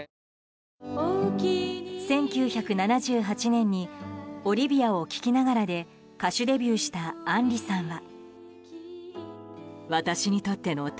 １９７８年に「オリビアを聴きながら」で歌手デビューした杏里さんは。